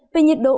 về nhiệt độ